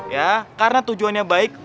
ya karena tujuannya baik